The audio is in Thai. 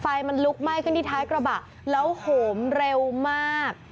ไฟมันลุกไหม้ขึ้นที่ท้ายกระบะแล้วโหมเร็วมาก